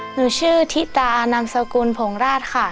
หนูชื่อทิตานามสกุลผงราชค่ะ